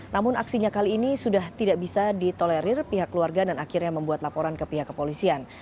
namun aksinya kali ini sudah tidak bisa ditolerir pihak keluarga dan akhirnya membuat laporan ke pihak kepolisian